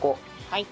はい。